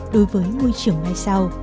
đối với môi trường mai sau